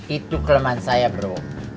itu kelemahan saya bro